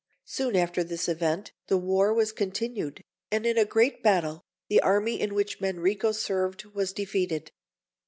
Soon after this event, the war was continued, and in a great battle, the army in which Manrico served was defeated.